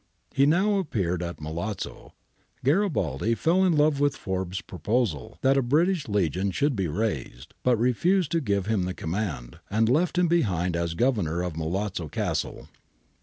He now appeared at Milazzo. Garibaldi fell in with Forbes' proposal that a British Legion should be raised, but refused to give him the command, and left him behind as Governor of Milazzo Castle.